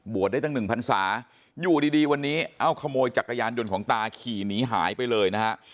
ได้ตั้งหนึ่งพันศาอยู่ดีวันนี้เอาขโมยจักรยานยนต์ของตาขี่หนีหายไปเลยนะฮะ